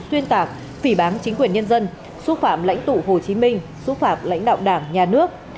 xuyên tạc phỉ bán chính quyền nhân dân xúc phạm lãnh tụ hồ chí minh xúc phạm lãnh đạo đảng nhà nước